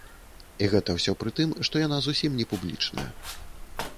І гэта ўсё пры тым, што яна зусім не публічная.